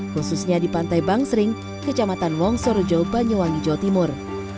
khususnya di pantai bangsering kecamatan wongsorejo banyuwangi jawa timur